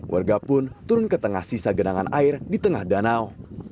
warga pun turun ke tengah sisa genangan air di tengah danau